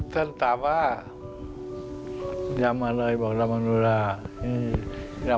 ท่านสาวายำมาเลยบอกรำมโนราล่า